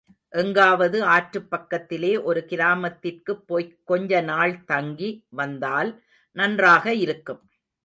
எங்காவது ஆற்றுப் பக்கத்திலே ஒரு கிராமத்திற்குப் போய்க் கொஞ்ச நாள் தங்கி வந்தால் நன்றாக இருக்கும்.